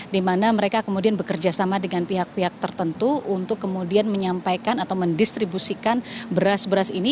di mana mereka kemudian bekerja sama dengan pihak pihak tertentu untuk kemudian menyampaikan atau mendistribusikan beras beras ini